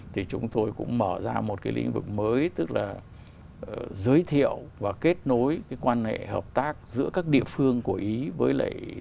thì chúng tôi cũng mở ra một cái lĩnh vực mới tức là giới thiệu và kết nối cái quan hệ hợp tác giữa các địa phương của ý với lại địa phương của ý